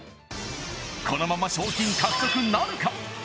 このまま賞金獲得なるか？